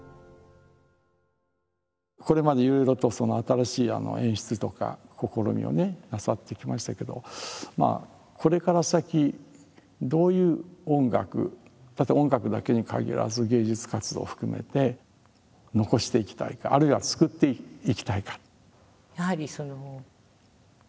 これまでいろいろと新しい演出とか試みをねなさってきましたけどこれから先どういう音楽音楽だけに限らず芸術活動を含めて残していきたいかあるいは作っていきたいか。